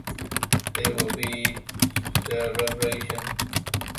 It will be the revelation.